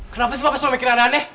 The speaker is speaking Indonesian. kenapa sih papa cuma mikir ada aneh